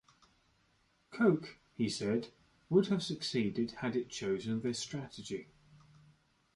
Coke, he said, would have succeeded had it chosen this strategy.